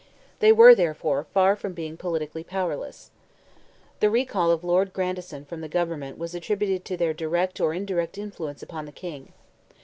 They were, therefore, far from being politically powerless. The recall of Lord Grandison from the government was attributed to their direct or indirect influence upon the King.